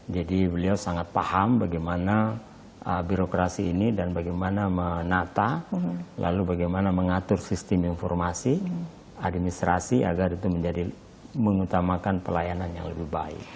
jadi beliau sangat paham bagaimana birokrasi ini dan bagaimana menata lalu bagaimana mengatur sistem informasi administrasi agar itu menjadi mengutamakan pelayanan yang lebih baik